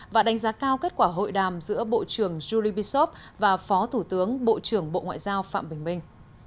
và đánh giá cao kết quả hội đàm giữa bộ trưởng julibyshop và phó thủ tướng bộ trưởng bộ ngoại giao phạm bình minh